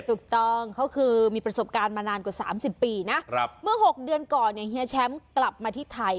ถูกต้องเขาคือมีประสบการณ์มานานกว่า๓๐ปีนะเมื่อ๖เดือนก่อนเนี่ยเฮียแชมป์กลับมาที่ไทย